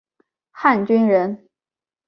汉军人。